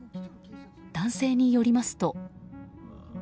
男性によりますと。